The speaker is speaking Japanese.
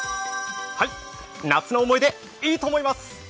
「夏の思い出」いいと思います。